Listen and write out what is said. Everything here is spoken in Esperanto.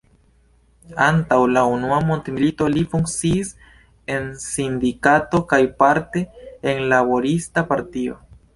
Antaŭ la unua mondmilito li funkciis en sindikato kaj parte en laborista partio.